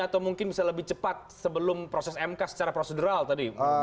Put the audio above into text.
atau mungkin bisa lebih cepat sebelum proses mk secara prosedural tadi